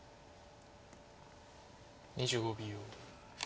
２５秒。